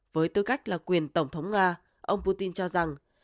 với tư cách là quyền tổng thống nga ông putin cho rằng